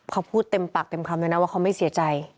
เขาพูดเต็มปากเต็มคำเลยนะว่าเขาไม่เสียใจ